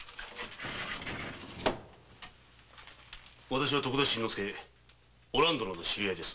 私は徳田新之助お蘭殿の知り合いです。